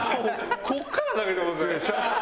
ここから投げてません？